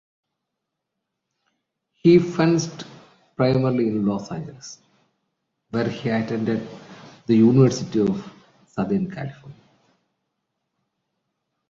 He fenced primarily in Los Angeles, where he attended the University of Southern California.